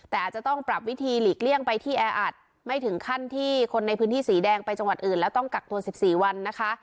แต่อาจจะต้องปรับวิธีหลีกเลี่ยงไปที่แออัดไม่ถึงขั้นที่คนในพื้นที่สีแดงไปจังหวัดอื่นแล้วต้องกักตัว๑๔วันนะคะ